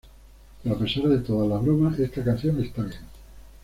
Pero a pesar de todas las bromas, esta canción está bien.